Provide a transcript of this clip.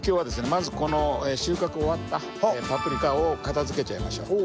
まずこの収穫終わったパプリカを片づけちゃいましょう。